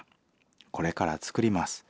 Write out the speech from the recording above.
これから作ります。